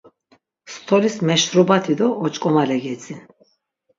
Stolis meşrubati do oç̌ǩomale gedzin.